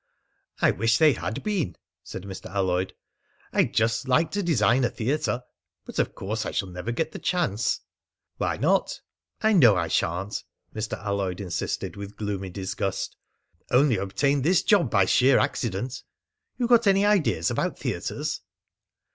"I wish they had been!" said Mr. Alloyd. "I'd just like to design a theatre! But of course I shall never get the chance." "Why not?" "I know I sha'n't," Mr. Alloyd insisted with gloomy disgust. "Only obtained this job by sheer accident! ... You got any ideas about theatres?"